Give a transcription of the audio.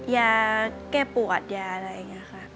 ยาแก้ปวดยาอะไรอย่างนี้ค่ะ